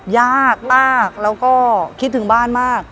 ยากมากแล้วก็คิดถึงบ้านมาก